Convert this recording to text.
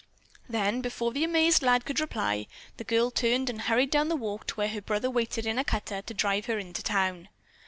Then, before the amazed lad could reply, the girl turned and hurried down the walk to where her brother waited in a cutter to drive her into town.